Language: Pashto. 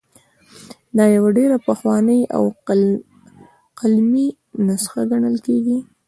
دا یوه ډېره پخوانۍ او قلمي نسخه ګڼل کیږي.